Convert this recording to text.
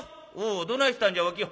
「おおどないしたんじゃお清」。